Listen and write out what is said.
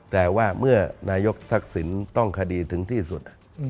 แต่ว่าเมื่อนายกทักษิณต้องคดีถึงที่สุด